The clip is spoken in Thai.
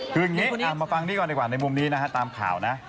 คืออย่างนี้มาฟังนี้ก่อนดีกว่าในมุมนี้นะฮะตามข่าวนะ